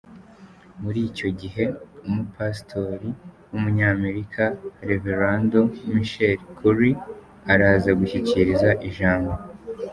Mur'ico gihe, umu pasitori w'umuny'Amerika -Reverando Michael Curry-, araza gushikiriza ijambo.